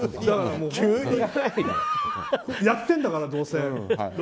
やってんだから、どうせ。